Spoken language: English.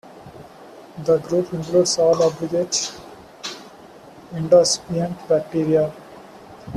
The group includes all obligate endosymbiont bacteria.